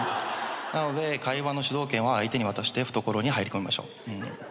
なので会話の主導権は相手に渡して懐に入り込みましょう。